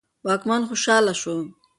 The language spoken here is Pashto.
واکمن خوشاله شو.